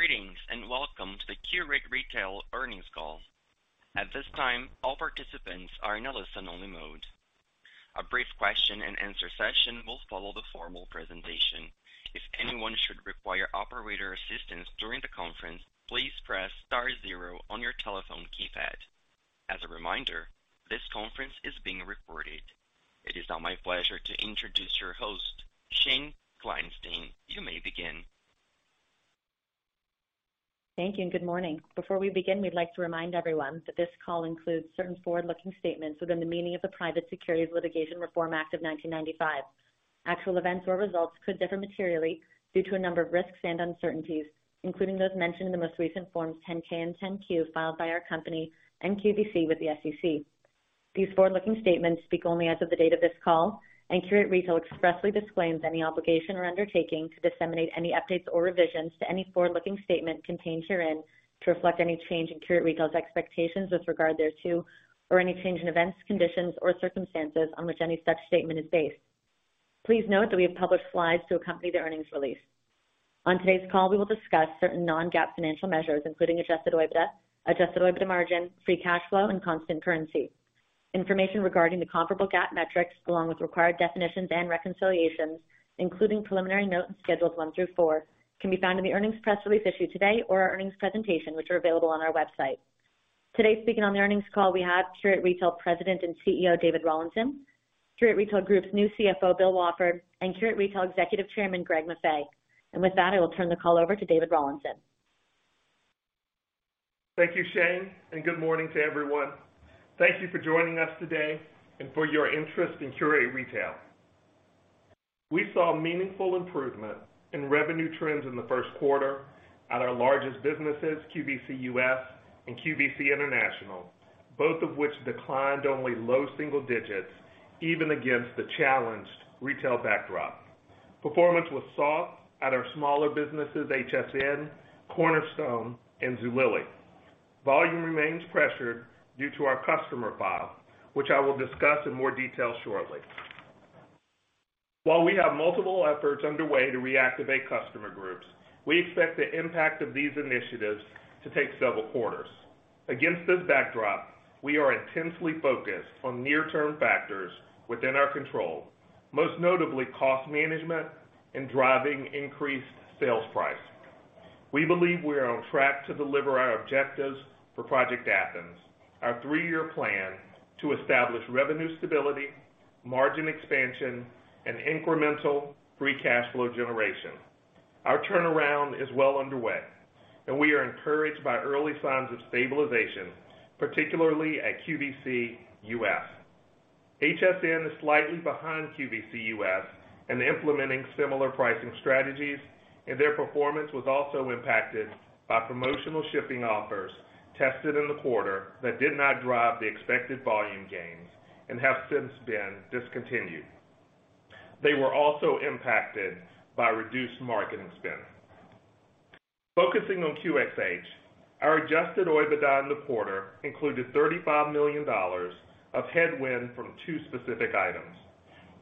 Greetings, welcome to the Qurate Retail Earnings Call. At this time, all participants are in a listen-only mode. A brief question-and-answer session will follow the formal presentation. If anyone should require operator assistance during the conference, please press star zero on your telephone keypad. As a reminder, this conference is being recorded. It is now my pleasure to introduce your host, Shane Kleinstein. You may begin. Thank you and good morning. Before we begin, we'd like to remind everyone that this call includes certain forward-looking statements within the meaning of the Private Securities Litigation Reform Act of 1995. Actual events or results could differ materially due to a number of risks and uncertainties, including those mentioned in the most recent Forms 10-K and 10-Q filed by our company and QVC with the SEC. These forward-looking statements speak only as of the date of this call, and Qurate Retail expressly disclaims any obligation or undertaking to disseminate any updates or revisions to any forward-looking statement contained herein to reflect any change in Qurate Retail's expectations with regard thereto or any change in events, conditions, or circumstances on which any such statement is based. Please note that we have published slides to accompany the earnings release. On today's call, we will discuss certain non-GAAP financial measures, including Adjusted OIBDA, Adjusted OIBDA margin, free cash flow, and constant currency. Information regarding the comparable GAAP metrics, along with required definitions and reconciliations, including preliminary note in Schedules one through four, can be found in the earnings press release issued today or our earnings presentation, which are available on our website. Today, speaking on the earnings call, we have Qurate Retail President and CEO, David Rawlinson, Qurate Retail Group's new CFO, Bill Wafford, and Qurate Retail Executive Chairman, Greg Maffei. With that, I will turn the call over to David Rawlinson. Thank you, Shane. Good morning to everyone. Thank you for joining us today and for your interest in Qurate Retail. We saw meaningful improvement in revenue trends in the first quarter at our largest businesses, QVC US and QVC International, both of which declined only low single digits even against the challenged retail backdrop. Performance was soft at our smaller businesses, HSN, Cornerstone, and Zulily. Volume remains pressured due to our customer file, which I will discuss in more detail shortly. While we have multiple efforts underway to reactivate customer groups; we expect the impact of these initiatives to take several quarters. Against this backdrop, we are intensely focused on near-term factors within our control, most notably cost management and driving increased sales price. We believe we are on track to deliver our objectives for Project Athens, our three-year plan to establish revenue stability, margin expansion, and incremental free cash flow generation. Our turnaround is well underway, and we are encouraged by early signs of stabilization, particularly at QVC US. HSN is slightly behind QVC US in implementing similar pricing strategies, and their performance was also impacted by promotional shipping offers tested in the quarter that did not drive the expected volume gains and have since been discontinued. They were also impacted by reduced marketing spend. Focusing on QxH, our adjusted OIBDA in the quarter included $35 million of headwind from two specific items.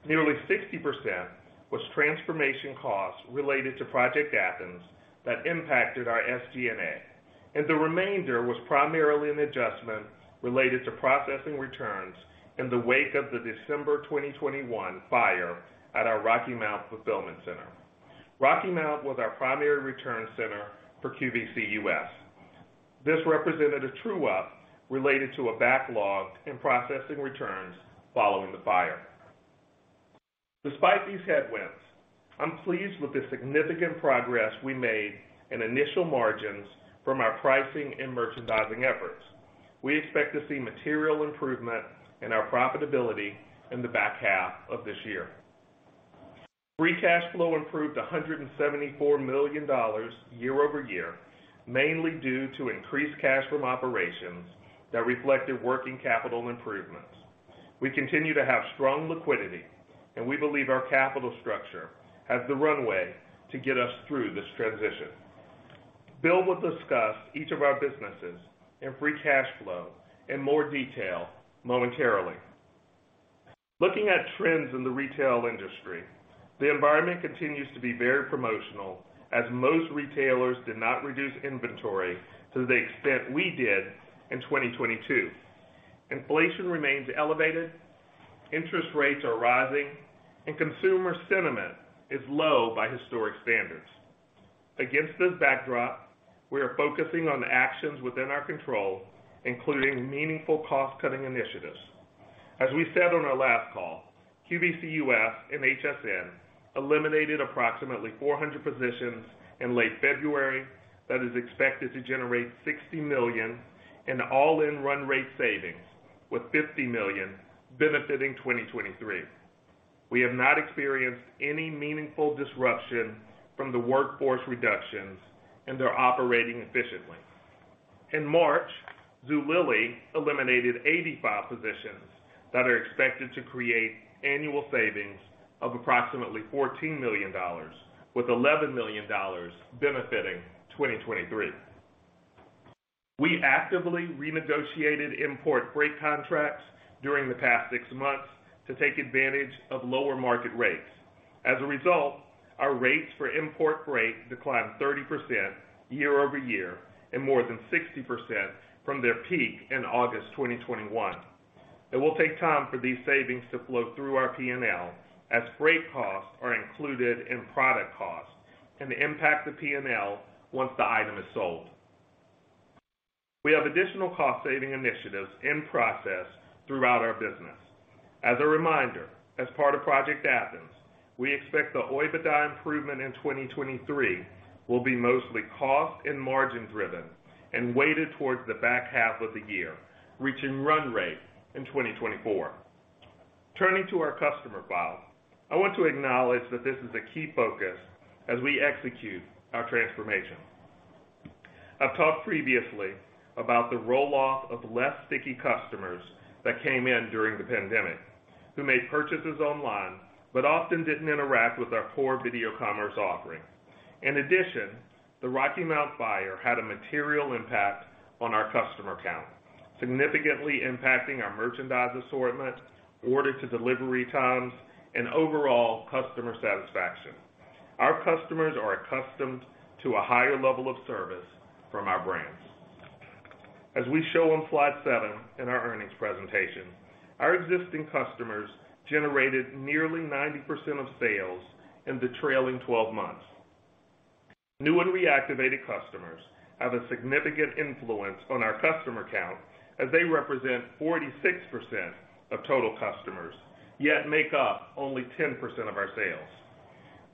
Nearly 60% was transformation costs related to Project Athens that impacted our SG&A, and the remainder was primarily an adjustment related to processing returns in the wake of the December 2021 fire at our Rocky Mount fulfillment center. Rocky Mount was our primary return center for QVC US. This represented a true-up related to a backlog in processing returns following the fire. Despite these headwinds, I'm pleased with the significant progress we made in initial margins from our pricing and merchandising efforts. We expect to see material improvement in our profitability in the back half of this year. Free cash flow improved $174 million year-over-year, mainly due to increased cash from operations that reflected working capital improvements. We continue to have strong liquidity, and we believe our capital structure has the runway to get us through this transition. Bill will discuss each of our businesses and free cash flow in more detail momentarily. Looking at trends in the retail industry, the environment continues to be very promotional as most retailers did not reduce inventory to the extent we did in 2022. Inflation remains elevated, interest rates are rising, and consumer sentiment is low by historic standards. Against this backdrop, we are focusing on actions within our control, including meaningful cost-cutting initiatives. As we said on our last call, QVC US and HSN eliminated approximately 400 positions in late February that is expected to generate $60 million in all-in run rate savings, with $50 million benefiting 2023. We have not experienced any meaningful disruption from the workforce reductions, and they're operating efficiently. In March, Zulily eliminated 85 positions that are expected to create annual savings of approximately $14 million, with $11 million benefiting 2023. We actively renegotiated import freight contracts during the past six months to take advantage of lower market rates. As a result, our rates for import freight declined 30% year-over-year and more than 60% from their peak in August 2021. It will take time for these savings to flow through our P&L as freight costs are included in product costs and impact the P&L once the item is sold. We have additional cost-saving initiatives in process throughout our business. As a reminder, as part of Project Athens, we expect the OIBDA improvement in 2023 will be mostly cost and margin driven and weighted towards the back half of the year, reaching run rate in 2024. Turning to our customer file, I want to acknowledge that this is a key focus as we execute our transformation. I've talked previously about the roll-off of less sticky customers that came in during the pandemic, who made purchases online, but often didn't interact with our poor video commerce offering. In addition, the Rocky Mount fire had a material impact on our customer count, significantly impacting our merchandise assortment, order to delivery times, and overall customer satisfaction. Our customers are accustomed to a higher level of service from our brands. As we show on slide seven in our earnings presentation, our existing customers generated nearly 90% of sales in the trailing 12 months. New and reactivated customers have a significant influence on our customer count as they represent 46% of total customers, yet make up only 10% of our sales.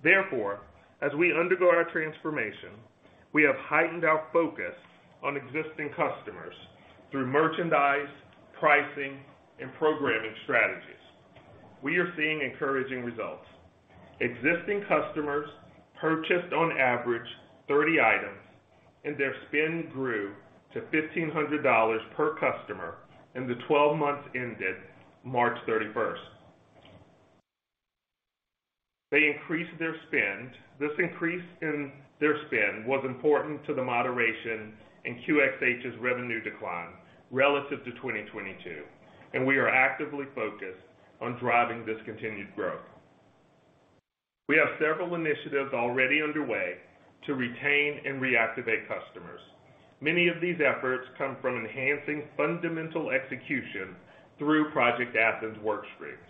Therefore, as we undergo our transformation, we have heightened our focus on existing customers through merchandise, pricing, and programming strategies. We are seeing encouraging results. Existing customers purchased on average 30 items, and their spend grew to $1,500 per customer in the 12 months ended March 31st. They increased their spend. This increase in their spend was important to the moderation in QxH's revenue decline relative to 2022. We are actively focused on driving this continued growth. We have several initiatives already underway to retain and reactivate customers. Many of these efforts come from enhancing fundamental execution through Project Athens workstreams.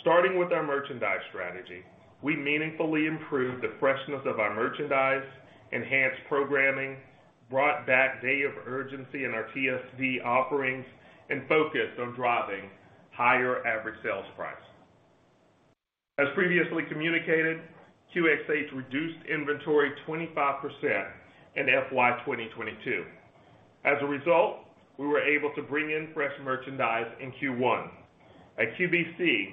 Starting with our merchandise strategy, we meaningfully improved the freshness of our merchandise, enhanced programming, brought back day of urgency in our TSV offerings, and focused on driving higher average sales price. As previously communicated, QxH reduced inventory 25% in FY 2022. As a result, we were able to bring in fresh merchandise in Q1. At QVC,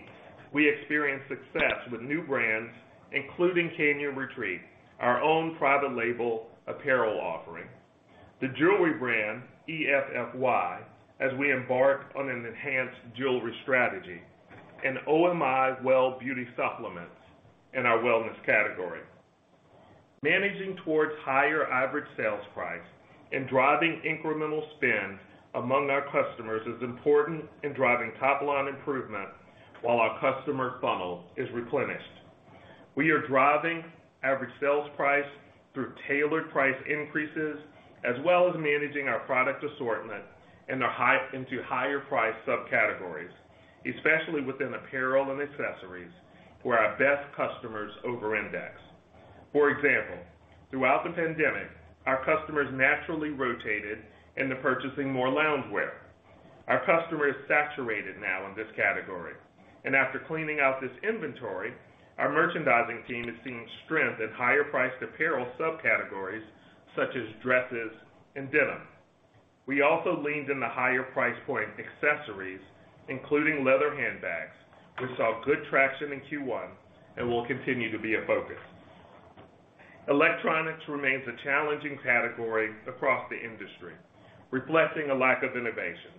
we experienced success with new brands, including Canyon Retreat, our own private label apparel offering, the jewelry brand, EFFY, as we embark on an enhanced jewelry strategy, and OMI WellBeauty Supplements in our wellness category. Managing towards higher average sales price and driving incremental spend among our customers is important in driving top-line improvement while our customer funnel is replenished. We are driving average sales price through tailored price increases, as well as managing our product assortment into higher priced subcategories, especially within apparel and accessories, where our best customers over-index. For example, throughout the pandemic, our customers naturally rotated into purchasing more loungewear. Our customers saturated now in this category, and after cleaning out this inventory, our merchandising team is seeing strength at higher priced apparel subcategories such as dresses and denim. We also leaned into higher price point accessories, including leather handbags, which saw good traction in Q1 and will continue to be a focus. Electronics remains a challenging category across the industry, reflecting a lack of innovation,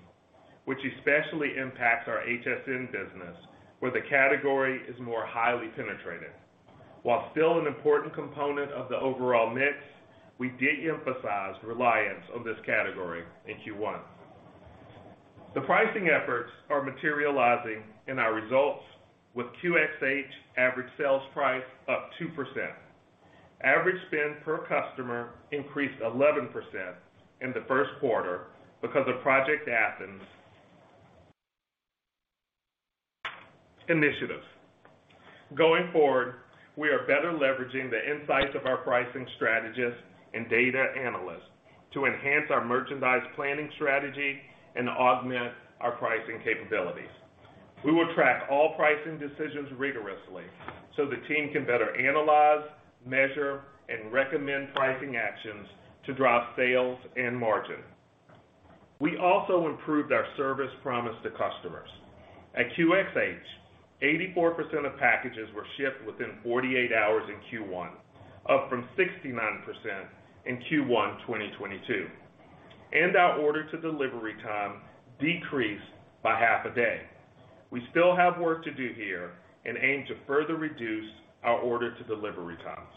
which especially impacts our HSN business, where the category is more highly penetrated. While still an important component of the overall mix, we de-emphasized reliance on this category in Q1. The pricing efforts are materializing in our results with QxH average sales price up 2%. Average spend per customer increased 11% in the first quarter because of Project Athens initiatives. Going forward, we are better leveraging the insights of our pricing strategists and data analysts to enhance our merchandise planning strategy and augment our pricing capabilities. We will track all pricing decisions rigorously so the team can better analyze, measure, and recommend pricing actions to drive sales and margin. We also improved our service promise to customers. At QxH, 84% of packages were shipped within 48 hours in Q1, up from 69% in Q1, 2022, and our order-to-delivery time decreased by half a day. We still have work to do here and aim to further reduce our order-to-delivery times.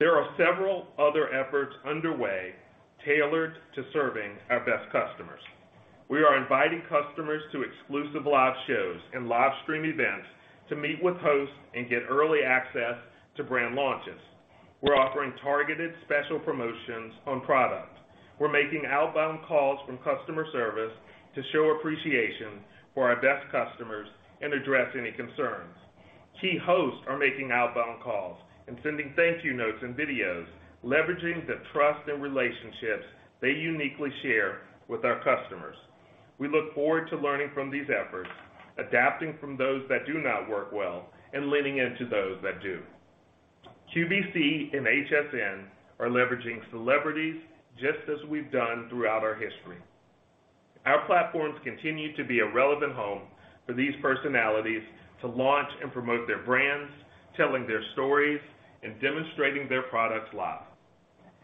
There are several other efforts underway tailored to serving our best customers. We are inviting customers to exclusive live shows and live stream events to meet with hosts and get early access to brand launches. We're offering targeted special promotions on products. We're making outbound calls from customer service to show appreciation for our best customers and address any concerns. Key hosts are making outbound calls and sending thank-you notes and videos, leveraging the trust and relationships they uniquely share with our customers. We look forward to learning from these efforts, adapting from those that do not work well, and leaning into those that do. QVC and HSN are leveraging celebrities just as we've done throughout our history. Our platforms continue to be a relevant home for these personalities to launch and promote their brands, telling their stories, and demonstrating their products live.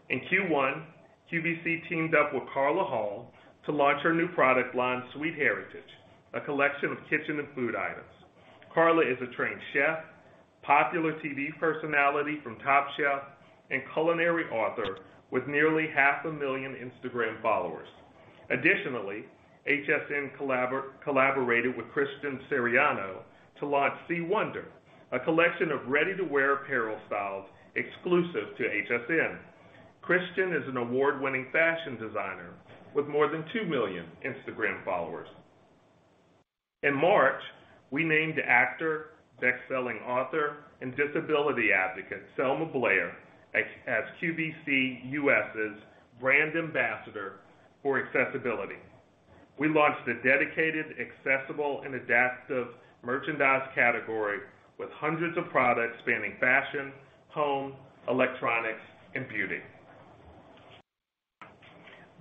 In Q1, QVC teamed up with Carla Hall to launch her new product line, Sweet Heritage, a collection of kitchen and food items. Carla is a trained chef, popular TV personality from Top Chef, and culinary author with nearly 500,000 Instagram followers. Additionally, HSN collaborated with Christian Siriano to launch C. Wonder, a collection of ready-to-wear apparel styles exclusive to HSN. Christian is an award-winning fashion designer with more than 2 million Instagram followers. In March, we named actor, best-selling author, and disability advocate Selma Blair as QVC US's brand ambassador for accessibility. We launched a dedicated, accessible, and adaptive merchandise category with hundreds of products spanning fashion, home, electronics, and beauty.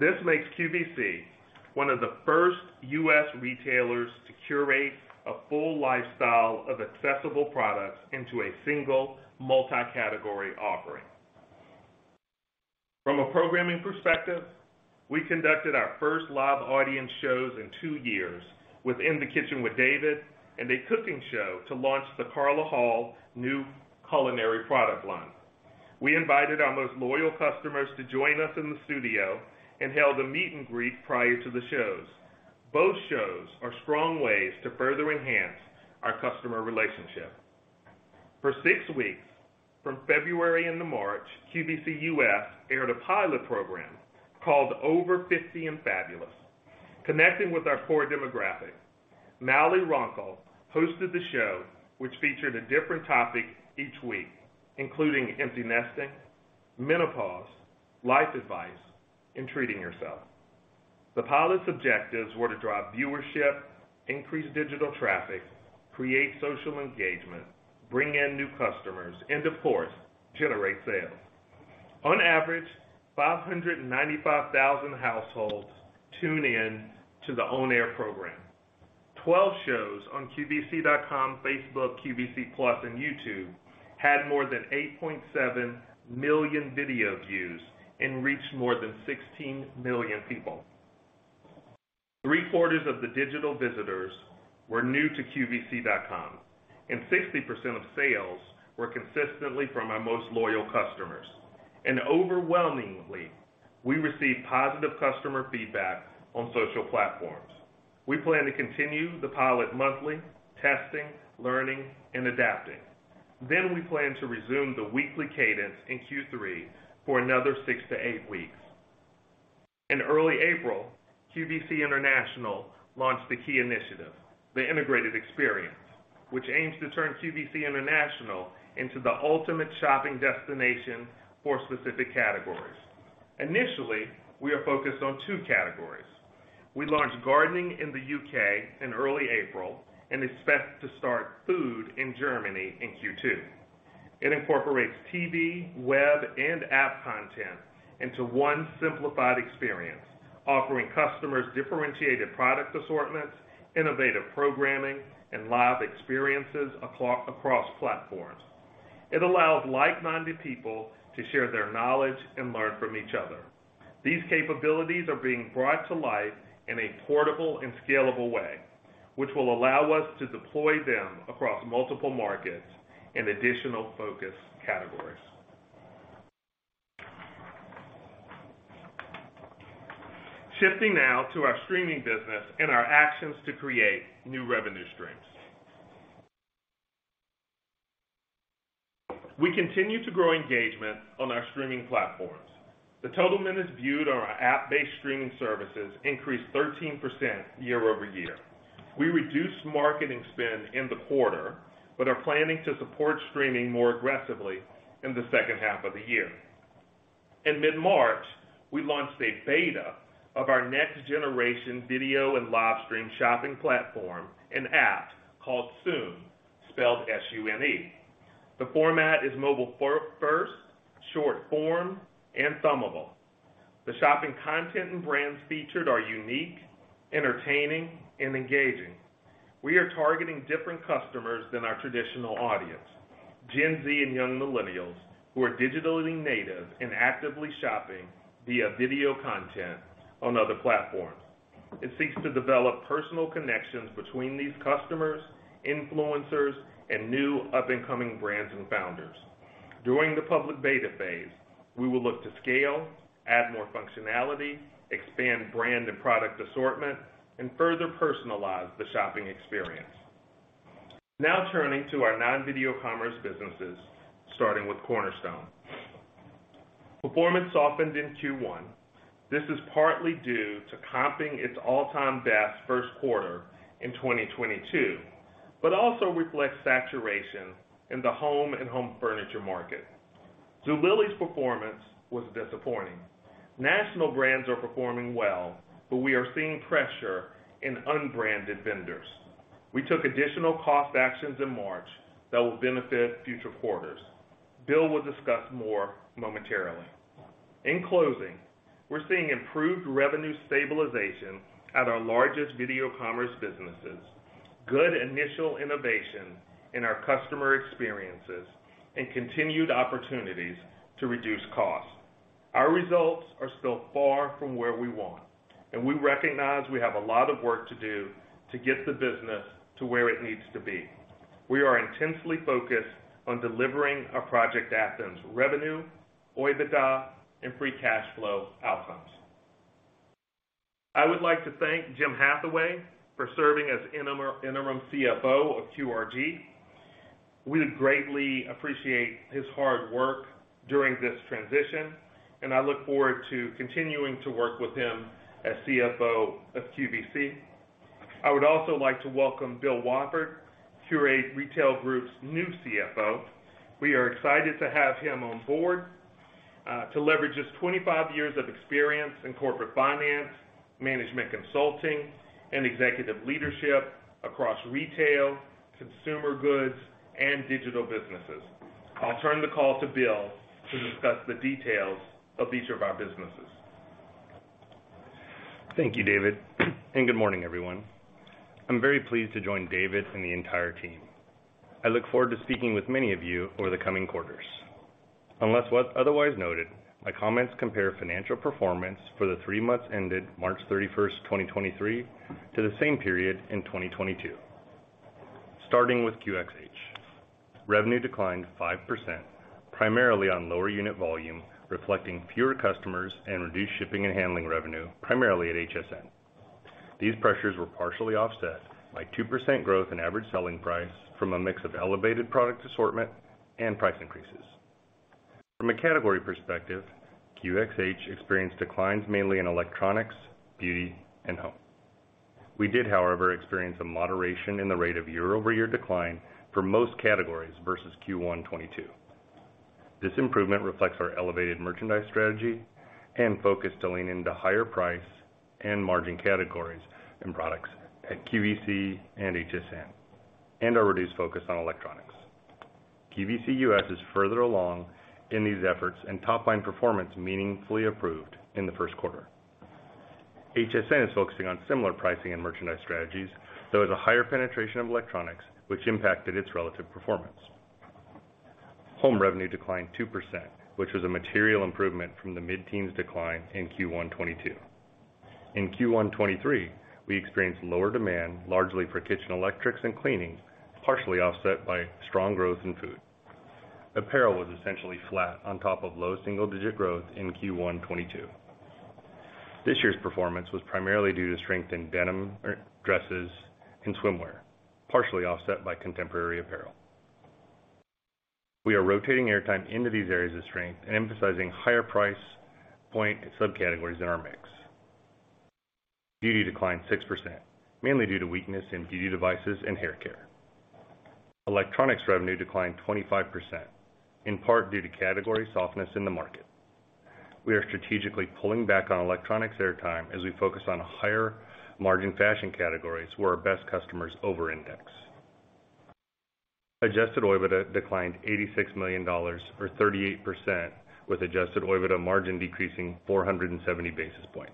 This makes QVC one of the first U.S. retailers to curate a full lifestyle of accessible products into a single multi-category offer From a programming perspective, we conducted our first live audience shows in two years with In the Kitchen with David and a cooking show to launch the Carla Hall new culinary product line. We invited our most loyal customers to join us in the studio and held a meet and greet prior to the shows. Both shows are strong ways to further enhance our customer relationship. For six weeks, from February into March, QVC US aired a pilot program called Over 50 & Fabulous connecting with our core demographic. Mallory [Runkle] hosted the show, which featured a different topic each week, including empty nesting, menopause, life advice, and treating yourself. The pilot's objectives were to drive viewership, increase digital traffic, create social engagement, bring in new customers, and of course, generate sales. On average, 595,000 households tune in to the on-air program. 12 shows on QVC.com, Facebook, QVC Plus, and YouTube had more than 8.7 million video views and reached more than 16 million people. 3/4 of the digital visitors were new to QVC.com and 60% of sales were consistently from our most loyal customers. Overwhelmingly, we received positive customer feedback on social platforms. We plan to continue the pilot monthly testing, learning, and adapting. We plan to resume the weekly cadence in Q3 for another six to eight weeks. In early April, QVC International launched a key initiative, the integrated experience, which aims to turn QVC International into the ultimate shopping destination for specific categories. Initially, we are focused on two categories. We launched gardening in the U.K. in early April and expect to start food in Germany in Q2. It incorporates TV, web, and app content into one simplified experience, offering customers differentiated product assortments, innovative programming, and live experiences across platforms. It allows like-minded people to share their knowledge and learn from each other. These capabilities are being brought to life in a portable and scalable way, which will allow us to deploy them across multiple markets and additional focus categories. Shifting now to our streaming business and our actions to create new revenue streams. We continue to grow engagement on our streaming platforms. The total minutes viewed on our app-based streaming services increased 13% year-over-year. We reduced marketing spend in the quarter, but are planning to support streaming more aggressively in the second half of the year. In mid-March, we launched a beta of our next-generation video and livestream shopping platform and app called Sune, spelled S-U-N-E. The format is mobile first, short form, and thumbable. The shopping content and brands featured are unique, entertaining, and engaging. We are targeting different customers than our traditional audience, Gen Z and young millennials who are digitally native and actively shopping via video content on other platforms. It seeks to develop personal connections between these customers, influencers, and new up-and-coming brands and founders. During the public beta phase, we will look to scale, add more functionality, expand brand and product assortment, and further personalize the shopping experience. Turning to our non-video commerce businesses, starting with Cornerstone. Performance softened in Q1. This is partly due to comping its all-time best first quarter in 2022, but also reflects saturation in the home and home furniture market. Zulily's performance was disappointing. National brands are performing well, we are seeing pressure in unbranded vendors. We took additional cost actions in March that will benefit future quarters. Bill will discuss more momentarily. In closing, we're seeing improved revenue stabilization at our largest video commerce businesses, good initial innovation in our customer experiences, and continued opportunities to reduce costs. Our results are still far from where we want, we recognize we have a lot of work to do to get the business to where it needs to be. We are intensely focused on delivering our Project Athens revenue, OIBDA, and free cash flow outcomes. I would like to thank Jim Hathaway for serving as interim CFO of QRG. We greatly appreciate his hard work during this transition, and I look forward to continuing to work with him as CFO of QVC. I would also like to welcome Bill Wafford, Qurate Retail Group's new CFO. We are excited to have him on board to leverage his 25 years of experience in corporate finance, management consulting, and executive leadership across retail, consumer goods, and digital businesses. I'll turn the call to Bill to discuss the details of each of our businesses. Thank you, David. Good morning, everyone. I'm very pleased to join David and the entire team. I look forward to speaking with many of you over the coming quarters. Unless otherwise noted, my comments compare financial performance for the three months ended March 31st 2023, to the same period in 2022. Starting with QxH. Revenue declined 5%, primarily on lower unit volume, reflecting fewer customers and reduced shipping and handling revenue, primarily at HSN. These pressures were partially offset by 2% growth in average selling price from a mix of elevated product assortment and price increases. From a category perspective, QxH experienced declines mainly in electronics, beauty, and home. We did, however, experience a moderation in the rate of year-over-year decline for most categories versus Q1 2022. This improvement reflects our elevated merchandise strategy and focus to lean into higher price and margin categories and products at QVC and HSN, and our reduced focus on electronics. QVC US is further along in these efforts and top line performance meaningfully improved in the first quarter. HSN is focusing on similar pricing and merchandise strategies, though has a higher penetration of electronics, which impacted its relative performance. Home revenue declined 2%, which was a material improvement from the mid-teens decline in Q1 2022. In Q1 2023, we experienced lower demand, largely for kitchen electrics and cleaning, partially offset by strong growth in food. Apparel was essentially flat on top of low single-digit growth in Q1 2022. This year's performance was primarily due to strength in denim, or dresses, and swimwear, partially offset by contemporary apparel. We are rotating airtime into these areas of strength and emphasizing higher price point and subcategories in our mix. Beauty declined 6%, mainly due to weakness in beauty devices and haircare. Electronics revenue declined 25%, in part due to category softness in the market. We are strategically pulling back on electronics airtime as we focus on higher margin fashion categories where our best customers over-index. Adjusted OIBDA declined $86 million, or 38%, with adjusted OIBDA margin decreasing 470 basis points.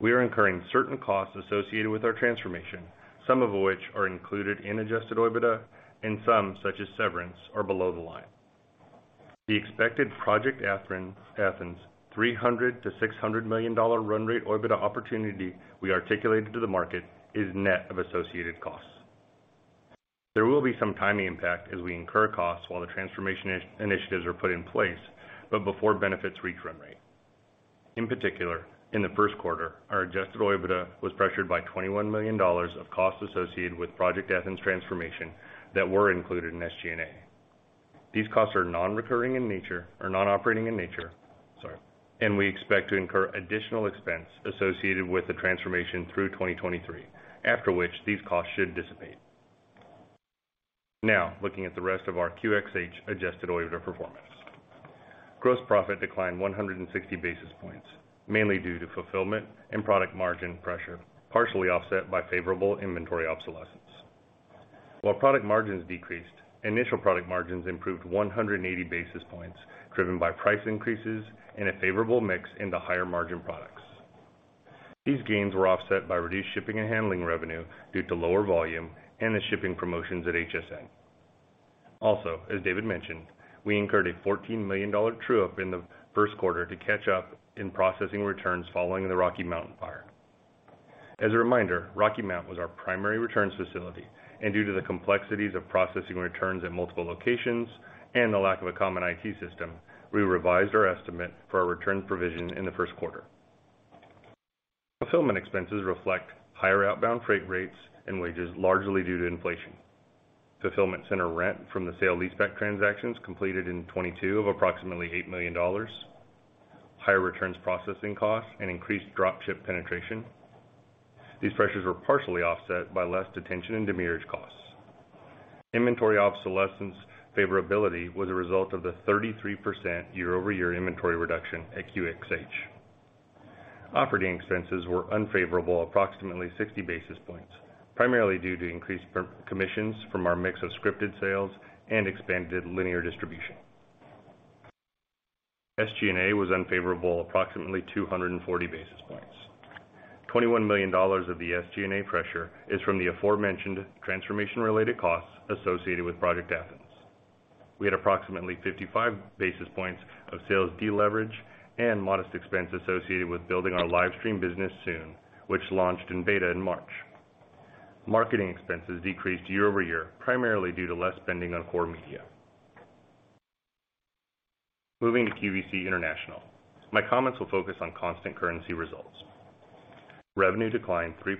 We are incurring certain costs associated with our transformation, some of which are included in Adjusted OIBDA, and some, such as severance, are below the line. The expected Project Athens $300 million-$600 million run rate OIBDA opportunity we articulated to the market is net of associated costs. There will be some timing impact as we incur costs while the transformation initiatives are put in place, before benefits reach run rate. In particular, in the first quarter, our Adjusted OIBDA was pressured by $21 million of costs associated with Project Athens transformation that were included in SG&A. These costs are non-operating in nature, sorry, we expect to incur additional expense associated with the transformation through 2023, after which these costs should dissipate. Looking at the rest of our QxH Adjusted OIBDA performance. Gross profit declined 160 basis points, mainly due to fulfillment and product margin pressure, partially offset by favorable inventory obsolescence. While product margins decreased, initial product margins improved 180 basis points, driven by price increases and a favorable mix in the higher margin products. These gains were offset by reduced shipping and handling revenue due to lower volume and the shipping promotions at HSN. As David mentioned, we incurred a $14 million true up in the first quarter to catch up in processing returns following the Rocky Mount fire. As a reminder, Rocky Mount was our primary returns facility, and due to the complexities of processing returns at multiple locations and the lack of a common IT system, we revised our estimate for our returns provision in the first quarter. Fulfillment expenses reflect higher outbound freight rates and wages, largely due to inflation. Fulfillment center rent from the sale-leaseback transactions completed in 2022 of approximately $8 million. Higher returns processing costs and increased drop ship penetration. These pressures were partially offset by less detention and demurrage costs. Inventory obsolescence favorability was a result of the 33% year-over-year inventory reduction at QxH. Operating expenses were unfavorable approximately 60 basis points, primarily due to increased per commissions from our mix of scripted sales and expanded linear distribution. SG&A was unfavorable approximately 240 basis points. $21 million of the SG&A pressure is from the aforementioned transformation-related costs associated with Project Athens. We had approximately 55 basis points of sales deleverage and modest expense associated with building our livestream business sune, which launched in beta in March. Marketing expenses decreased year-over-year, primarily due to less spending on core media. Moving to QVC International, my comments will focus on constant currency results. Revenue declined 3%,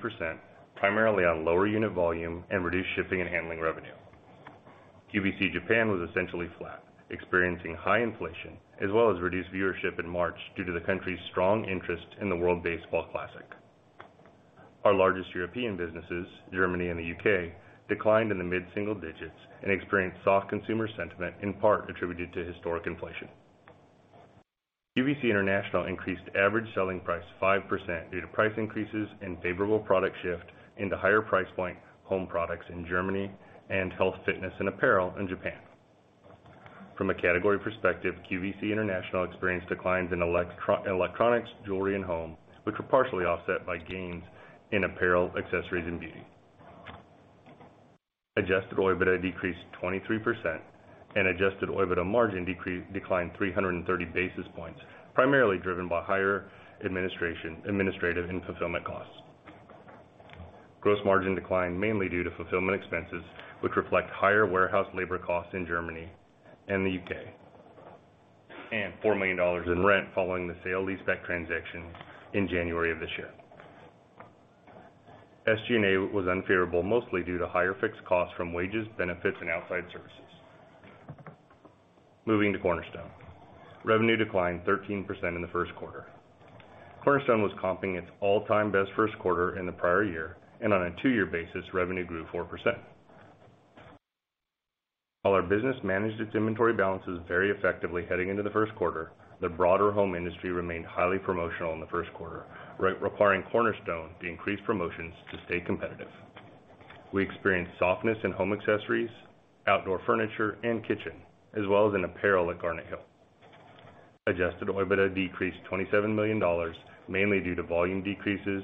primarily on lower unit volume and reduced shipping and handling revenue. QVC Japan was essentially flat, experiencing high inflation as well as reduced viewership in March due to the country's strong interest in the World Baseball Classic. Our largest European businesses, Germany and the U.K., declined in the mid-single digits and experienced soft consumer sentiment, in part attributed to historic inflation. QVC International increased average selling price 5% due to price increases and favorable product shift into higher price point home products in Germany and health, fitness, and apparel in Japan. From a category perspective, QVC International experienced declines in electro-electronics, jewelry and home, which were partially offset by gains in apparel, accessories, and beauty. Adjusted OIBDA decreased 23% and Adjusted OIBDA margin declined 330 basis points, primarily driven by higher administrative and fulfillment costs. Gross margin declined mainly due to fulfillment expenses, which reflect higher warehouse labor costs in Germany and the U.K. and $4 million in rent following the sale-leaseback transaction in January of this year. SG&A was unfavorable, mostly due to higher fixed costs from wages, benefits, and outside services. Moving to Cornerstone. Revenue declined 13% in the first quarter. Cornerstone was comping its all-time best first quarter in the prior year, and on a two-year basis, revenue grew 4%. While our business managed its inventory balances very effectively heading into the first quarter, the broader home industry remained highly promotional in the first quarter, requiring Cornerstone to increase promotions to stay competitive. We experienced softness in home accessories, outdoor furniture, and kitchen, as well as in apparel at Garnet Hill. Adjusted OIBDA decreased $27 million, mainly due to volume decreases,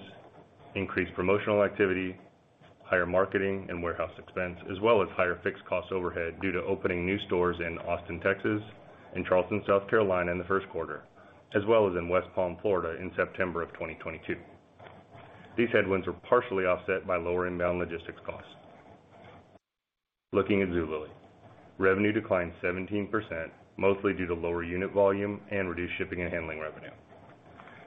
increased promotional activity, higher marketing and warehouse expense, as well as higher fixed cost overhead due to opening new stores in Austin, Texas and Charleston, South Carolina in the first quarter, as well as in West Palm, Florida in September of 2022. These headwinds were partially offset by lower inbound logistics costs. Looking at Zulily. Revenue declined 17%, mostly due to lower unit volume and reduced shipping and handling revenue.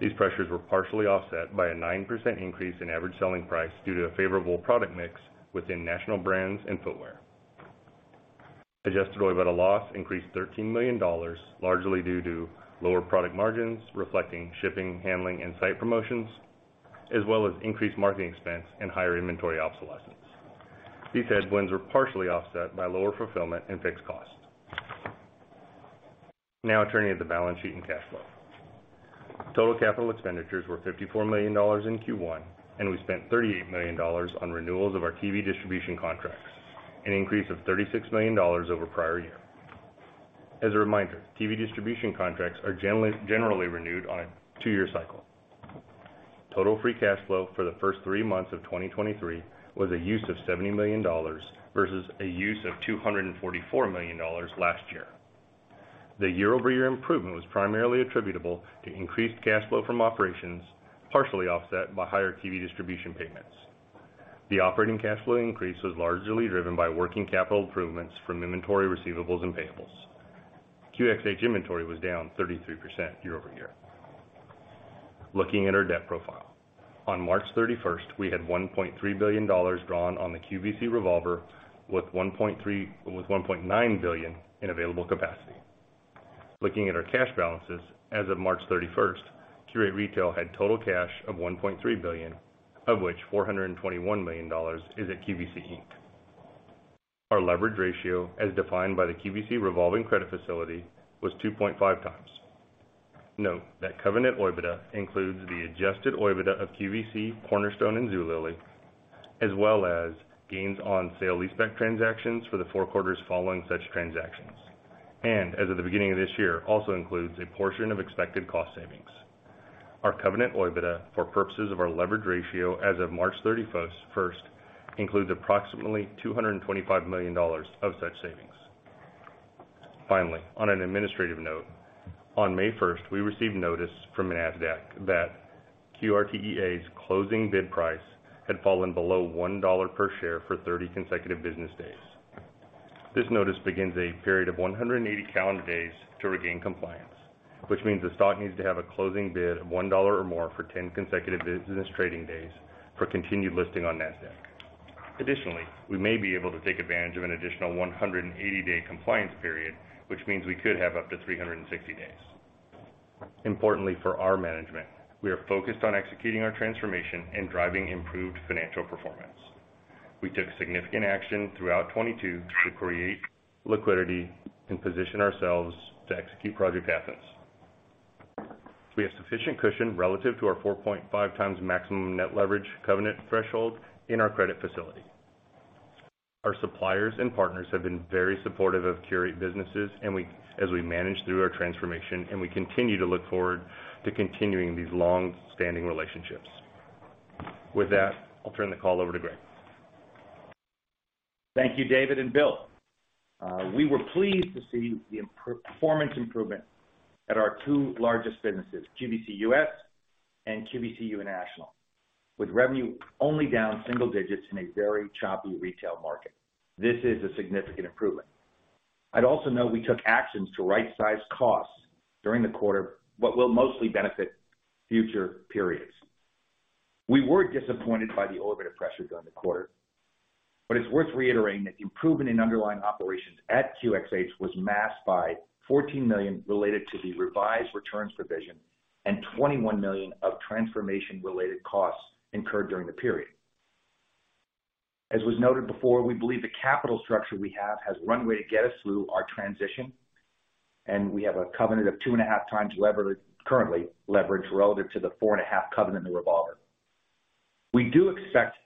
These pressures were partially offset by a 9% increase in average selling price due to a favorable product mix within national brands and footwear. Adjusted OIBDA loss increased $13 million, largely due to lower product margins, reflecting shipping, handling and site promotions, as well as increased marketing expense and higher inventory obsolescence. These headwinds were partially offset by lower fulfillment and fixed costs. Turning to the balance sheet and cash flow. Total capital expenditures were $54 million in Q1, and we spent $38 million on renewals of our TV distribution contracts, an increase of $36 million over prior year. As a reminder, TV distribution contracts are generally renewed on a two-year cycle. Total free cash flow for the first three months of 2023 was a use of $70 million versus a use of $244 million last year. The year-over-year improvement was primarily attributable to increased cash flow from operations, partially offset by higher TV distribution payments. The operating cash flow increase was largely driven by working capital improvements from inventory receivables and payables. QxH inventory was down 33% year-over-year. Looking at our debt profile. On March 31st, we had $1.3 billion drawn on the QVC revolver with $1.9 billion in available capacity. Looking at our cash balances as of March 31st, Qurate Retail had total cash of $1.3 billion, of which $421 million is at QVC, Inc. Our leverage ratio, as defined by the QVC revolving credit facility, was 2.5 times. Note that covenant OIBDA includes the Adjusted OIBDA of QVC, Cornerstone, and Zulily, as well as gains on sale leaseback transactions for the four quarters following such transactions. As of the beginning of this year, also includes a portion of expected cost savings. Our covenant OIBDA for purposes of our leverage ratio as of March 31st, first includes approximately $225 million of such savings. Finally, on an administrative note, on May first, we received notice from Nasdaq that QRTEA's closing bid price had fallen below $1 per share for 30 consecutive business days. This notice begins a period of 180 calendar days to regain compliance, which means the stock needs to have a closing bid of $1 or more for 10 consecutive business trading days for continued listing on Nasdaq. We may be able to take advantage of an additional 180-day compliance period, which means we could have up to 360 days. Importantly for our management, we are focused on executing our transformation and driving improved financial performance. We took significant action throughout 2022 to create liquidity and position ourselves to execute Project Athens. We have sufficient cushion relative to our 4.5 times maximum net leverage covenant threshold in our credit facility. Our suppliers and partners have been very supportive of Qurate businesses as we manage through our transformation, and we continue to look forward to continuing these long-standing relationships. With that, I'll turn the call over to Greg. Thank you, David and Bill. We were pleased to see the performance improvement at our two largest businesses, QVC US and QVC International, with revenue only down single digits in a very choppy retail market. This is a significant improvement. I'd also note we took actions to right-size costs during the quarter, but will mostly benefit future periods. We were disappointed by the OIBDA pressures on the quarter, but it's worth reiterating that the improvement in underlying operations at QxH was masked by $14 million related to the revised returns provision and $21 million of transformation-related costs incurred during the period. As was noted before, we believe the capital structure we have has runway to get us through our transition, and we have a covenant of two and a half times currently leveraged relative to the four and a half covenant in the revolver. We do expect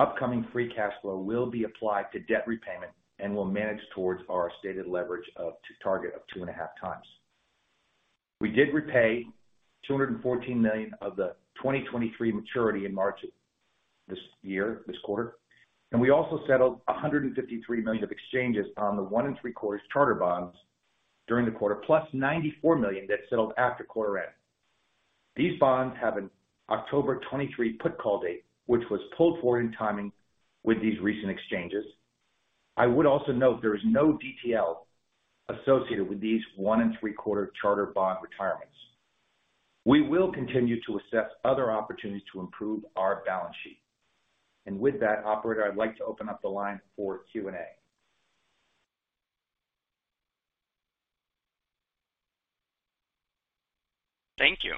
upcoming free cash flow will be applied to debt repayment and will manage towards our stated leverage of to target of 2.5 times. We did repay $214 million of the 2023 maturity in March this year, this quarter. We also settled $153 million of exchanges on the one-and-three-quarters charter bonds during the quarter, plus $94 million that settled after quarter-end. These bonds have an October 23 put call date, which was pulled forward in timing with these recent exchanges. I would also note there is no DTL associated with these one-and-three-quarter charter bond retirements. We will continue to assess other opportunities to improve our balance sheet. With that, operator, I'd like to open up the line for Q&A. Thank you.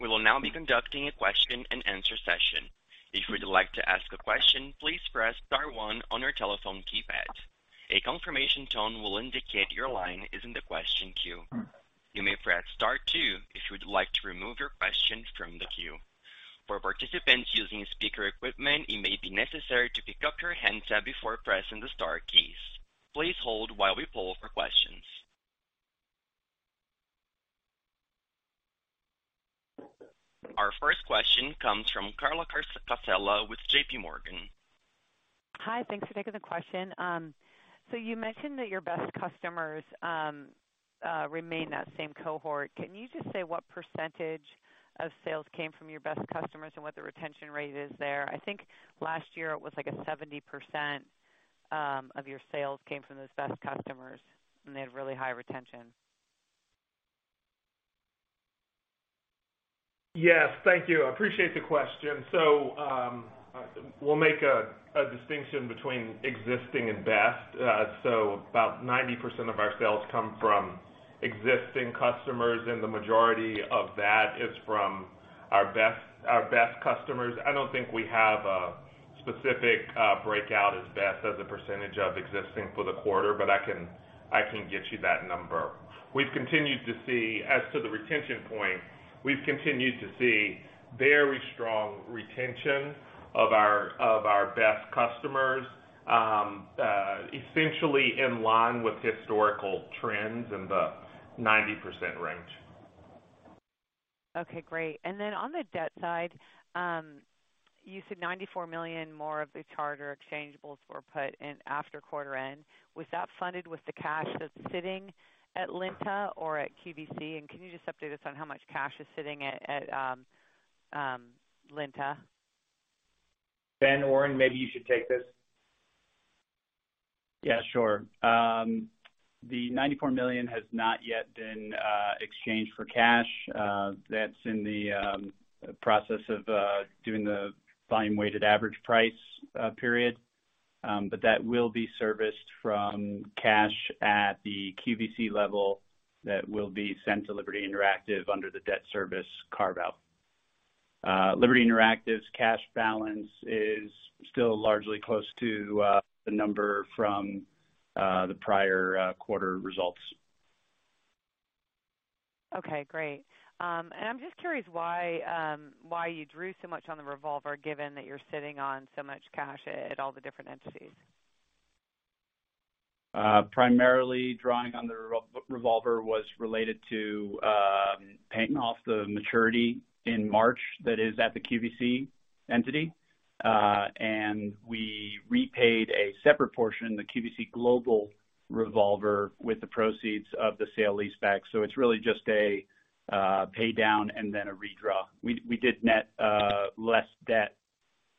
We will now be conducting a question-and-answer session. If you would like to ask a question, please press star one on your telephone keypad. A confirmation tone will indicate your line is in the question queue. You may press star two if you would like to remove your question from the queue. For participants using speaker equipment, it may be necessary to pick up your handset before pressing the star keys. Please hold while we poll for questions. Our first question comes from Carla Casella with JPMorgan. Hi, thanks for taking the question. You mentioned that your best customers remain that same cohort. Can you just say what percentage of sales came from your best customers and what the retention rate is there? I think last year it was like a 70% of your sales came from those best customers, and they had really high retention. Yes, thank you. I appreciate the question. We'll make a distinction between existing and best. About 90% of our sales come from existing customers, and the majority of that is from our best customers. I don't think we have a specific breakout as best as a percentage of existing for the quarter, but I can get you that number. As to the retention point, we've continued to see very strong retention of our best customers, essentially in line with historical trends in the 90% range. Okay, great. On the debt side, you said $94 million more of the charter exchangeables were put in after quarter-end. Was that funded with the cash that's sitting at LINTA or at QVC? Can you just update us on how much cash is sitting at LINTA? Ben Oren, maybe you should take this. Yeah, sure. The $94 million has not yet been exchanged for cash. That's in the process of doing the volume weighted average price period. That will be serviced from cash at the QVC level that will be sent to Liberty Interactive under the debt service carve-out. Liberty Interactive's cash balance is still largely close to the number from the prior quarter results. Okay, great. I'm just curious why you drew so much on the revolver given that you're sitting on so much cash at all the different entities? Primarily drawing on the revolver was related to paying off the maturity in March that is at the QVC entity. We repaid a separate portion, the QVC global revolver, with the proceeds of the sale-leaseback. It's really just a paydown and then a redraw. We did net less debt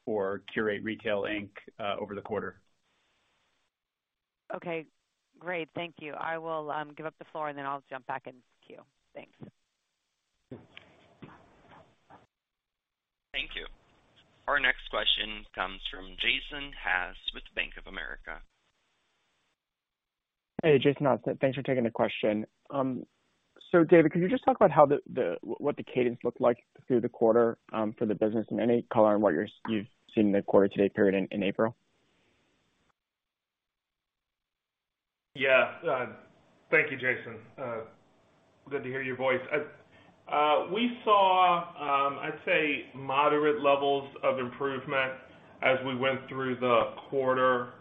for Qurate Retail Inc. over the quarter. Okay, great. Thank you. I will give up the floor, and then I'll jump back in queue. Thanks. Thank you. Our next question comes from Jason Haas with Bank of America. Hey, Jason Haas. Thanks for taking the question. David, could you just talk about how what the cadence looked like through the quarter, for the business and any color on what you're, you've seen in the quarter to date period in April? Yeah, thank you, Jason. good to hear your voice. we saw I'd say moderate levels of improvement as we went through the quarter.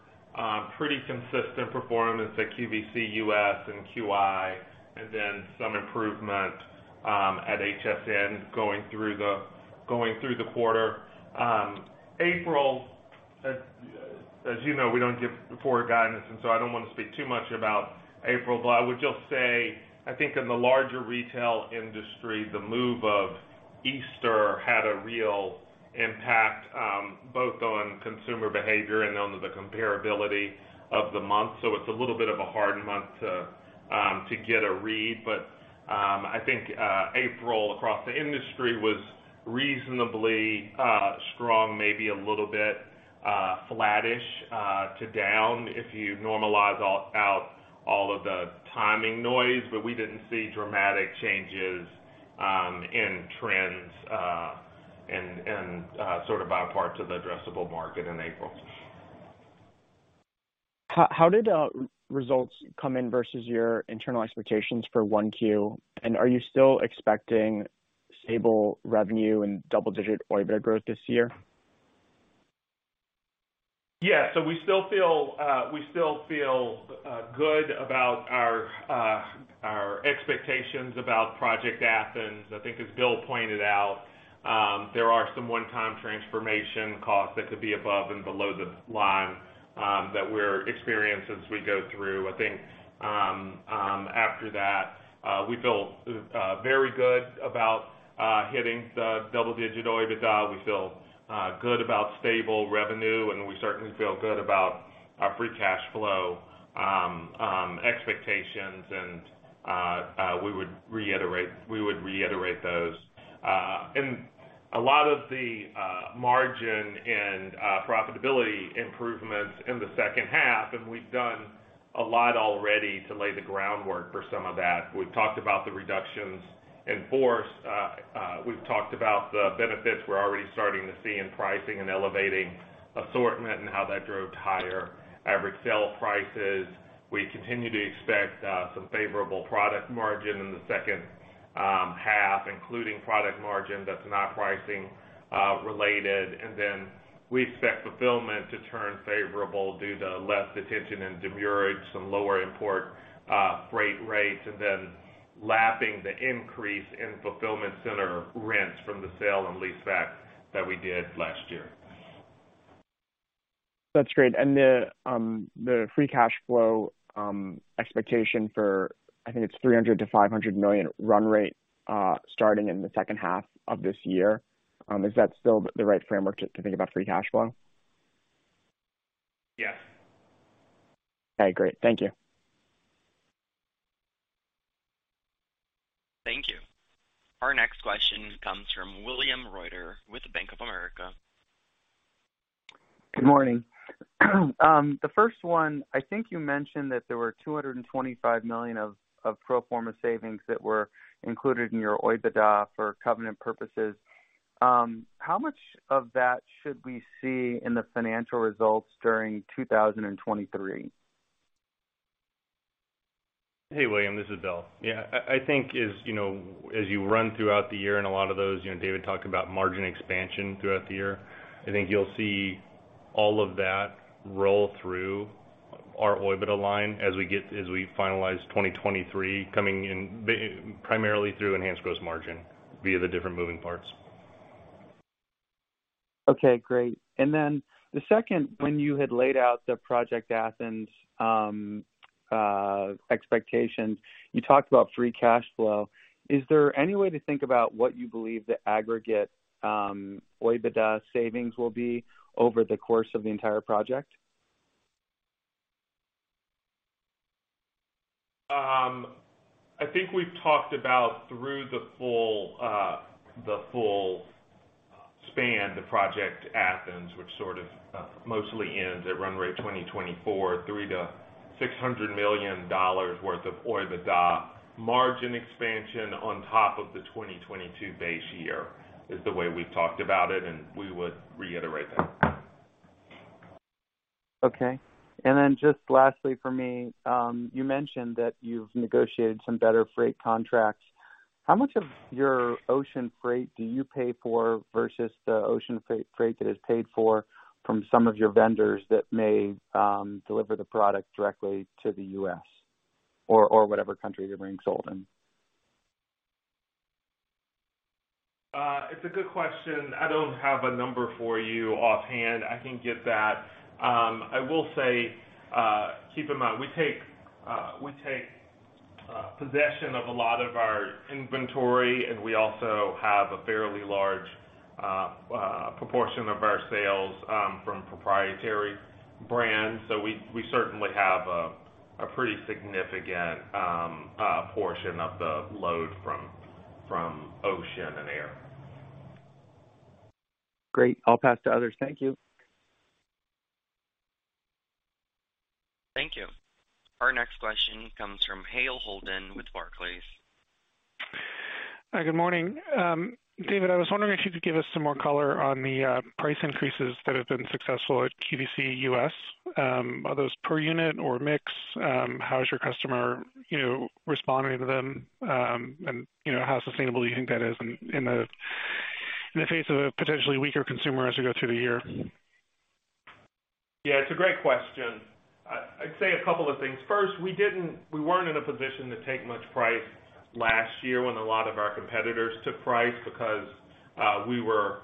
pretty consistent performance at QVC US and QI, and then some improvement, at HSN going through the quarter. April, as you know, we don't give forward guidance, and so I don't wanna speak too much about April, but I would just say, I think in the larger retail industry, the move of Easter had a real impact, both on consumer behavior and on the comparability of the month. It's a little bit of a hard month to get a read. I think April across the industry was reasonably strong, maybe a little bit flattish to down if you normalize all of the timing noise. We didn't see dramatic changes in trends and sort of by parts of the addressable market in April. How did results come in versus your internal expectations for 1Q? Are you still expecting stable revenue and double-digit Adjusted OIBDA growth this year? We still feel good about our expectations about Project Athens. I think as Bill pointed out, there are some one-time transformation costs that could be above and below the line that we're experience as we go through. I think after that, we feel very good about hitting the double-digit OIBDA. We feel good about stable revenue, and we certainly feel good about our free cash flow expectations and we would reiterate those. A lot of the margin and profitability improvements in the second half, and we've done a lot already to lay the groundwork for some of that. We've talked about the reductions in force. We've talked about the benefits we're already starting to see in pricing and elevating assortment and how that drove higher average sale prices. We continue to expect some favorable product margin in the second half, including product margin that's not pricing related. We expect fulfillment to turn favorable due to less detention and demurrage, some lower import freight rates, and then lapping the increase in fulfillment center rents from the sale and leaseback that we did last year. That's great. The free cash flow, expectation for, I think it's $300 million-$500 million run rate, starting in the second half of this year, is that still the right framework to think about free cash flow? Yeah. Okay, great. Thank you. Thank you. Our next question comes from William Reuter with Bank of America. Good morning. The first one, I think you mentioned that there were $225 million of pro forma savings that were included in your Adjusted OIBDA for covenant purposes. How much of that should we see in the financial results during 2023? Hey, William, this is Bill. Yeah. I think as, you know, as you run throughout the year and a lot of those, you know, David talked about margin expansion throughout the year. I think you'll see all of that roll through our OIBDA line as we finalize 2023 coming in primarily through enhanced gross margin via the different moving parts. Okay, great. The second, when you had laid out the Project Athens expectations, you talked about free cash flow. Is there any way to think about what you believe the aggregate OIBDA savings will be over the course of the entire project? I think we've talked about through the fullSpan the Project Athens, which sort of, mostly ends at run rate 2024, $300 million-$600 million worth of OIBDA margin expansion on top of the 2022 base year is the way we've talked about it. We would reiterate that. Okay. Just lastly for me, you mentioned that you've negotiated some better freight contracts. How much of your ocean freight do you pay for versus the ocean freight that is paid for from some of your vendors that may deliver the product directly to the U.S. or whatever country the ring sold in? It's a good question. I don't have a number for you offhand. I can get that. I will say, keep in mind, we take possession of a lot of our inventory, and we also have a fairly large proportion of our sales from proprietary brands. We certainly have a pretty significant portion of the load from ocean and air. Great. I'll pass to others. Thank you. Thank you. Our next question comes from Hale Holden with Barclays. Hi, good morning. David, I was wondering if you could give us some more color on the price increases that have been successful at QVC US? Are those per unit or mix? How is your customer, you know, responding to them? You know, how sustainable do you think that is in the face of a potentially weaker consumer as we go through the year? Yeah, it's a great question. I'd say a couple of things. First, we weren't in a position to take much price last year when a lot of our competitors took price because we were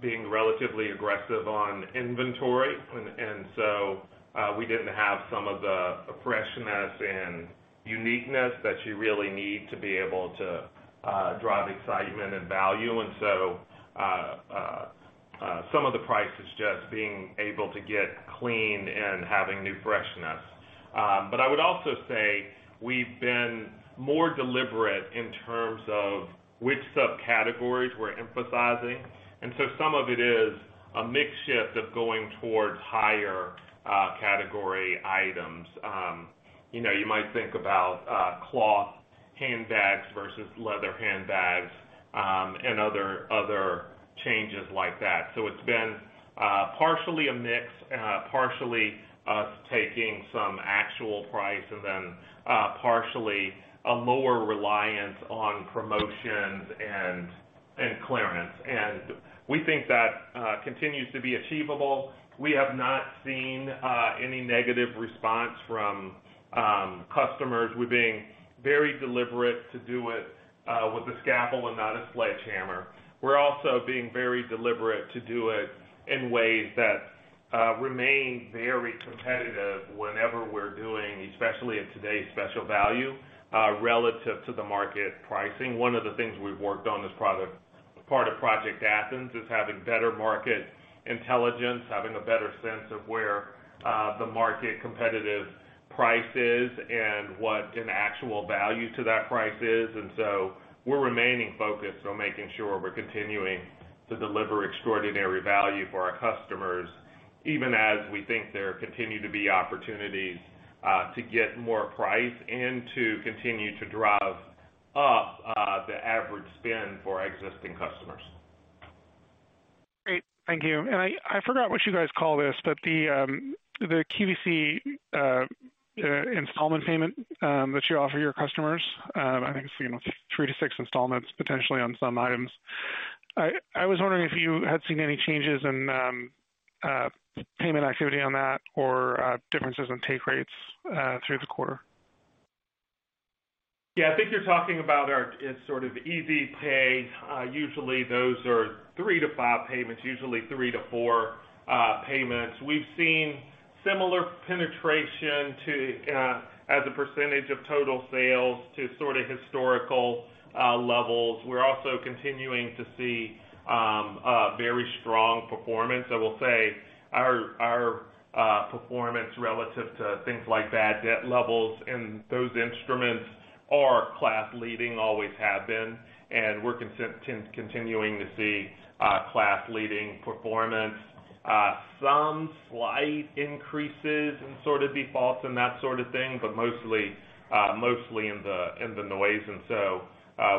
being relatively aggressive on inventory. We didn't have some of the freshness and uniqueness that you really need to be able to drive excitement and value. Some of the price is just being able to get clean and having new freshness. I would also say we've been more deliberate in terms of which subcategories we're emphasizing. Some of it is a mix shift of going towards higher category items. You know, you might think about cloth handbags versus leather handbags and other changes like that. It's been partially a mix, partially us taking some actual price and then partially a lower reliance on promotions and clearance. We think that continues to be achievable. We have not seen any negative response from customers. We're being very deliberate to do it with a scalpel and not a sledgehammer. We're also being very deliberate to do it in ways that remain very competitive whenever we're doing, especially in today's special value, relative to the market pricing. One of the things we've worked on as part of Project Athens is having better market intelligence, having a better sense of where the market competitive price is and what an actual value to that price is. We're remaining focused on making sure we're continuing to deliver extraordinary value for our customers, even as we think there continue to be opportunities to get more price and to continue to drive up the average spend for our existing customers. Great. Thank you. I forgot what you guys call this, but the QVC installment payment that you offer your customers, I think it's, you know, three to six installments, potentially on some items. I was wondering if you had seen any changes in payment activity on that or differences in take rates through the quarter. Yeah, I think you're talking about it's sort of Easy Pay. Usually those are three to five payments, usually three to four payments. We've seen similar penetration to as a percentage of total sales to sort of historical levels. We're also continuing to see very strong performance. I will say our performance relative to things like bad debt levels and those instruments are class leading, always have been, and we're continuing to see class-leading performance. Some slight increases in sort of defaults and that sort of thing, but mostly mostly in the, in the noise.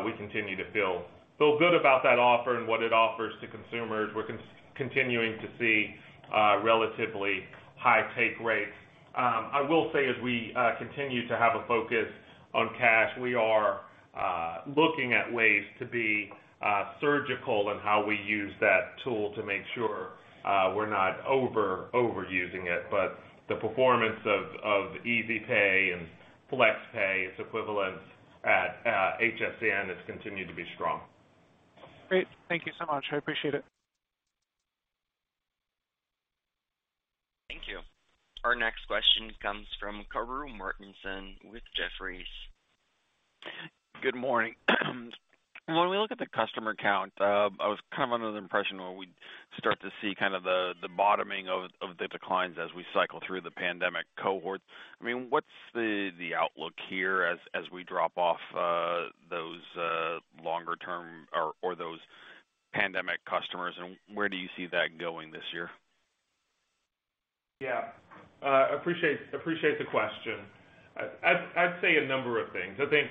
We continue to feel good about that offer and what it offers to consumers. We're continuing to see relatively high take rates. I will say as we continue to have a focus on cash, we are looking at ways to be surgical in how we use that tool to make sure we're not overusing it. The performance of Easy Pay and Flex Pay, its equivalent at HSN, has continued to be strong. Great. Thank you so much. I appreciate it. Thank you. Our next question comes from Karru Martinson with Jefferies. Good morning. When we look at the customer count, I was kind of under the impression where we start to see the bottoming of the declines as we cycle through the pandemic cohort. I mean, what's the outlook here as we drop off those longer term or those pandemic customers, and where do you see that going this year? Appreciate the question. I'd say a number of things. I think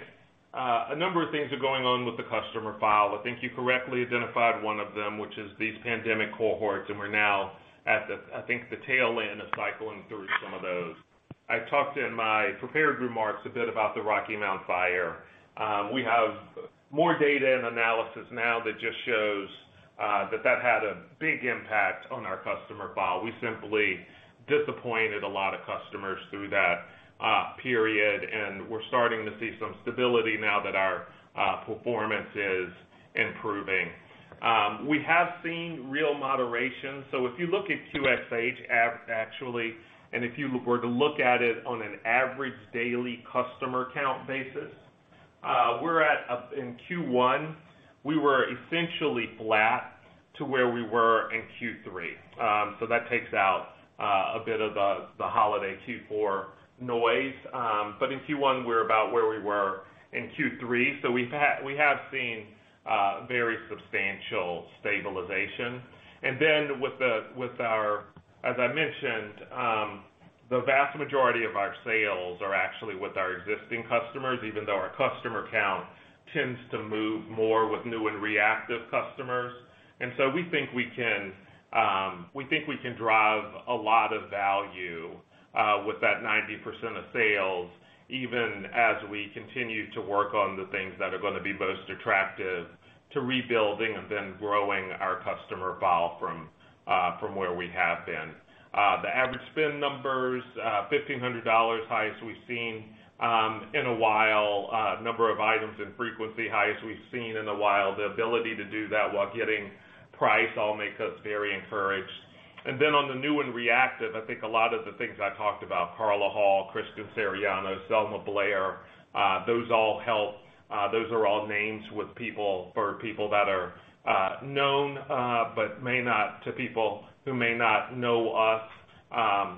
a number of things are going on with the customer file. I think you correctly identified one of them, which is these pandemic cohorts, and we're now at the, I think, the tail end of cycling through some of those. I talked in my prepared remarks a bit about the Rocky Mount fire. We have more data and analysis now that just shows, that that had a big impact on our customer file. We simply disappointed a lot of customers through that period, and we're starting to see some stability now that our performance is improving. We have seen real moderation. If you look at QxH actually, and if you were to look at it on an average daily customer count basis, we're at, in Q1, we were essentially flat to where we were in Q3. That takes out a bit of the holiday Q4 noise. In Q1, we're about where we were in Q3. We have seen very substantial stabilization. Then with our... as I mentioned, the vast majority of our sales are actually with our existing customers, even though our customer count tends to move more with new and reactive customers. We think we can drive a lot of value with that 90% of sales, even as we continue to work on the things that are going to be most attractive to rebuilding and then growing our customer file from where we have been. The average spend numbers, $1,500 highest we've seen in a while. Number of items and frequency, highest we've seen in a while. The ability to do that while getting price all makes us very encouraged. On the new and reactive, I think a lot of the things I talked about, Carla Hall, Christian Siriano, Selma Blair, those all help. Those are all names for people that are known, but to people who may not know us.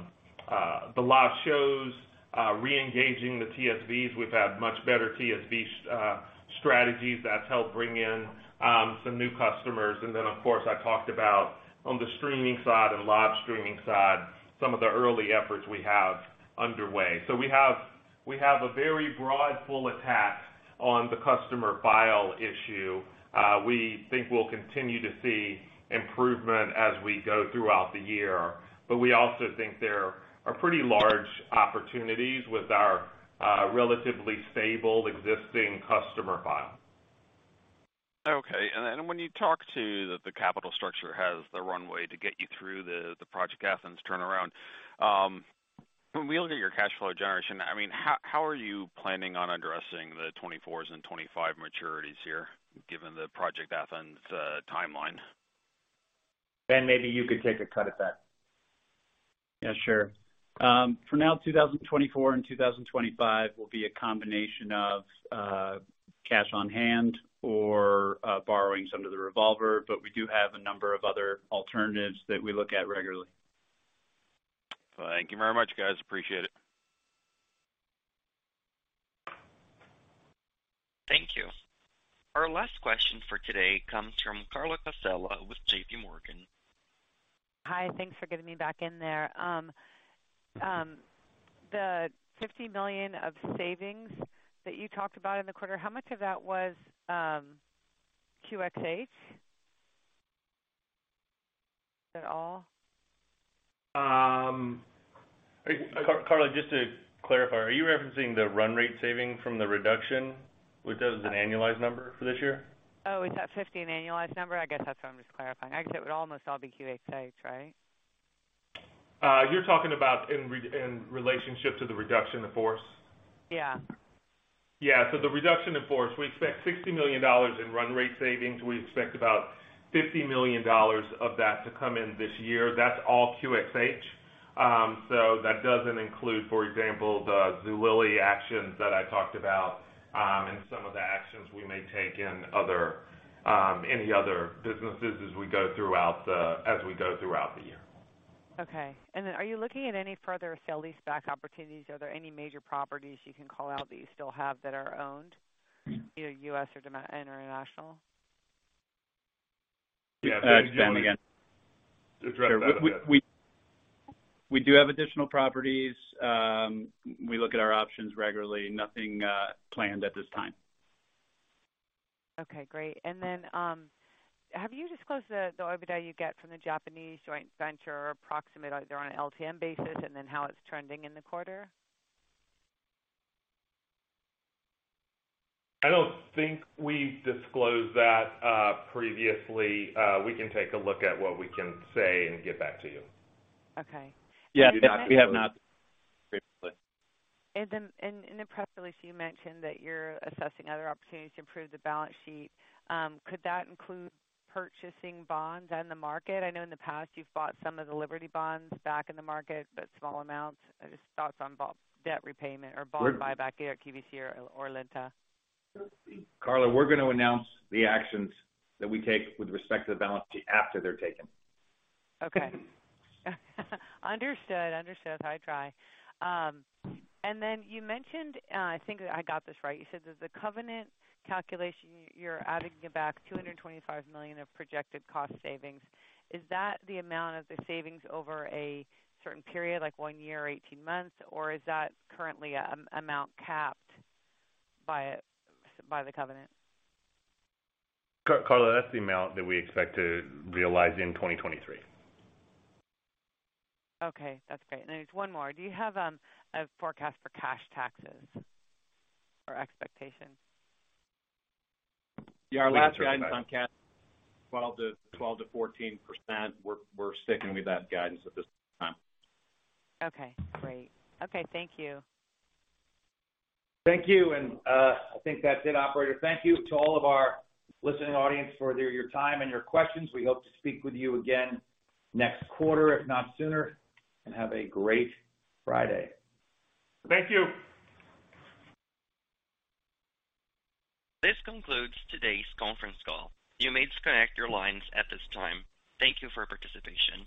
The live shows, re-engaging the TSVs. We've had much better TSV strategies that's helped bring in some new customers. Then, of course, I talked about on the streaming side and live streaming side, some of the early efforts we have underway. We have a very broad, full attack on the customer file issue. We think we'll continue to see improvement as we go throughout the year. We also think there are pretty large opportunities with our relatively stable existing customer file. Okay. Then when you talk to the capital structure has the runway to get you through the Project Athens turnaround, when we look at your cash flow generation, I mean, how are you planning on addressing the 2024s and 2025 maturities here, given the Project Athens timeline? Ben, maybe you could take a cut at that. Yeah, sure. For now, 2024 and 2025 will be a combination of cash on hand or borrowing some of the revolver, but we do have a number of other alternatives that we look at regularly. Thank you very much, guys. Appreciate it. Thank you. Our last question for today comes from Carla Casella with JPMorgan. Hi. Thanks for getting me back in there. The $50 million of savings that you talked about in the quarter, how much of that was QxH? At all? Um- Carla, just to clarify, are you referencing the run rate saving from the reduction, which that was an annualized number for this year? Is that 50 an annualized number? I guess that's what I'm just clarifying. I guess it would almost all be QxH, right? You're talking about in relationship to the reduction of force? Yeah. The reduction of force, we expect $60 million in run rate savings. We expect about $50 million of that to come in this year. That's all QxH. That doesn't include, for example, the Zulily actions that I talked about, and some of the actions we may take in other any other businesses as we go throughout the year. Okay. Are you looking at any further sale-leaseback opportunities? Are there any major properties you can call out that you still have that are owned, either US and international? Yeah. It's Ben again. Just wrap that up, Ben. We do have additional properties. We look at our options regularly. Nothing planned at this time. Okay, great. Have you disclosed the OIBDA you get from the Japanese joint venture or approximate, either on an LTM basis, and then how it's trending in the quarter? I don't think we've disclosed that previously. We can take a look at what we can say and get back to you. Okay. Yeah. We have not previously. In the press release, you mentioned that you're assessing other opportunities to improve the balance sheet. Could that include purchasing bonds on the market? I know in the past you've bought some of the Liberty Bonds back in the market, but small amounts. Just thoughts on debt repayment or bond buyback at QVC or Liberty. Carla, we're gonna announce the actions that we take with respect to the balance sheet after they're taken. Okay. Understood. Understood. I try. You mentioned, I think I got this right, you said there's a covenant calculation, you're adding back $225 million of projected cost savings. Is that the amount of the savings over a certain period, like one year or 18 months? Or is that currently amount capped by the covenant? Carla, that's the amount that we expect to realize in 2023. Okay, that's great. There's one more. Do you have a forecast for cash taxes or expectations? Yeah. Our last guidance on cash, 12% to 14%. We're sticking with that guidance at this time. Okay, great. Okay, thank you. Thank you. I think that's it, operator. Thank you to all of our listening audience for your time and your questions. We hope to speak with you again next quarter, if not sooner, and have a great Friday. Thank you. This concludes today's conference call. You may disconnect your lines at this time. Thank you for participation.